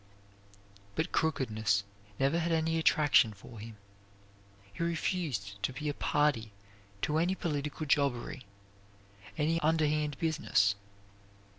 But crookedness never had any attraction for him. He refused to be a party to any political jobbery, any underhand business.